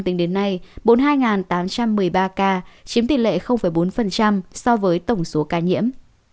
tính đến nay bốn mươi hai tám trăm một mươi ba ca chiếm tỷ lệ bốn so với tổng số ca nhiễm